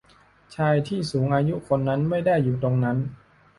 ชายที่สูงอายุคนนั้นไม่ได้อยู่ตรงนั้น